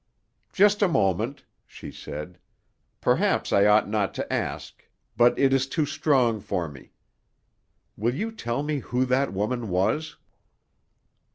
"Just a moment," she said. "Perhaps I ought not to ask; but it is too strong for me. Will you tell me who the woman was?"